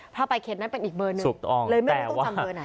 ถ้าไปเขตนั้นเป็นอีกเบอร์หนึ่งเลยไม่รู้ต้องจำเบอร์ไหน